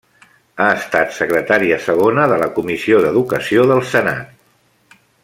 Ha estat Secretària Segona de la Comissió d'Educació del Senat.